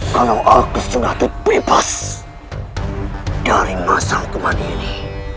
kalau aku sudah terbebas dari masa aku mandi ini